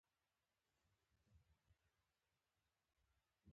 د کانکور ټولو ګډونوالو سخت اصول رعایتول.